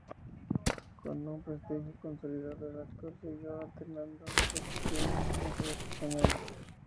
Con un prestigio consolidado, el actor siguió alternando producciones extranjeras y españolas.